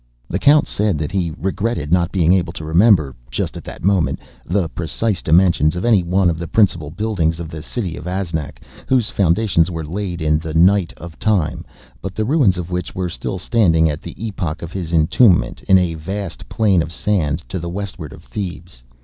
The Count said that he regretted not being able to remember, just at that moment, the precise dimensions of any one of the principal buildings of the city of Aznac, whose foundations were laid in the night of Time, but the ruins of which were still standing, at the epoch of his entombment, in a vast plain of sand to the westward of Thebes.